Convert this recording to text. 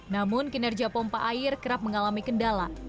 namun kinerja pompa air kerap mengalami kendala